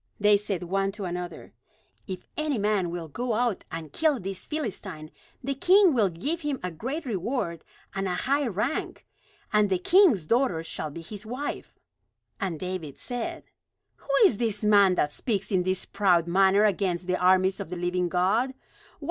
They said one to another: "If any man will go out and kill this Philistine, the king will give him a great reward and a high rank; and the king's daughter shall be his wife." And David said: "Who is this man that speaks in this proud manner against the armies of the living God?